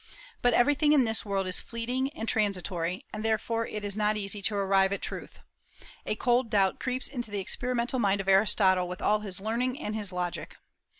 But everything in this world is fleeting and transitory, and therefore it is not easy to arrive at truth. A cold doubt creeps into the experimental mind of Aristotle, with all his learning and his logic.